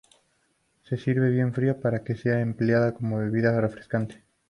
Se sirve bien fría para que sea empleada como bebida refrescante.